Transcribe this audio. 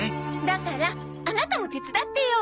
だからアナタも手伝ってよ。